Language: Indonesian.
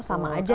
oh sama aja ya